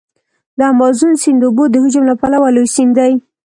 د امازون سیند د اوبو د حجم له پلوه لوی سیند دی.